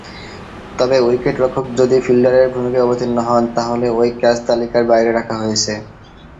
তবে, উইকেট-রক্ষক যদি ফিল্ডারের ভূমিকায় অবতীর্ণ হন, তাহলে ঐ ক্যাচ তালিকার বাইরে রাখা হয়েছে।